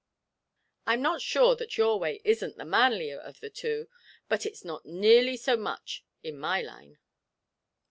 I'm not sure that your way isn't the manlier of the two but it's not nearly so much in my line.'